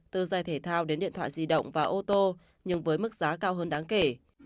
từ giải thể thao đến điện thoại di động và ô tô nhưng với mức giá cao hơn đáng kể